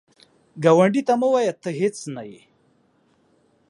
ګاونډي ته مه وایه “ته هیڅ نه یې”